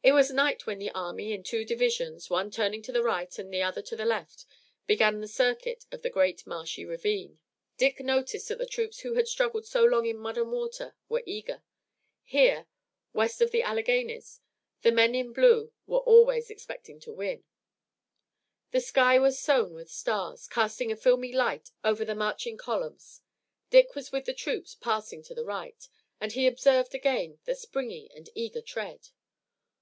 It was night when the army in two divisions, one turning to the right and the other to the left, began the circuit of the great marshy ravine. Dick noticed that the troops who had struggled so long in mud and water were eager. Here, west of the Alleghanies, the men in blue were always expecting to win. The sky was sown with stars, casting a filmy light over the marching columns. Dick was with the troops passing to the right, and he observed again their springy and eager tread.